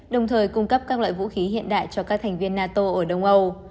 đồng thời cung cấp các loại vũ khí hiện đại cho các thành viên nato ở đông âu